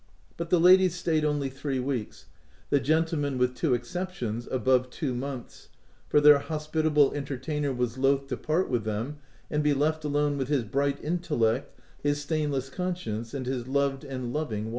But the ladies stayed only three weeks, the gentlemen, with two exceptions, above two months, for their hospitable entertainer was loath to part with them and be left alone with his bright intellect, his stainless conscience, and his loved and loving wife.